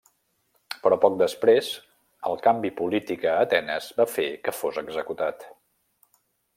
Però poc després el canvi polític a Atenes va fer que fos executat.